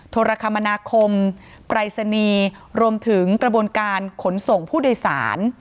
โทรคมนาคมปรายศนีย์รวมถึงกระบวนการขนส่งผู้โดยสาร